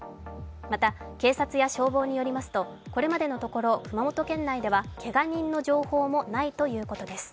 また、警察や消防によりますとこれまでのところ熊本県内ではけが人の情報もないということです。